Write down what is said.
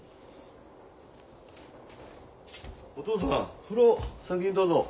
お父さん風呂先にどうぞ。